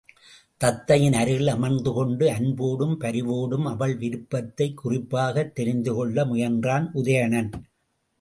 தத்தையின் அருகில் அமர்ந்துகொண்டு அன்போடும் பரிவோடும் அவள் விருப்பத்தைக் குறிப்பாகத் தெரிந்துகொள்ள முயன்றான் உதயணன்.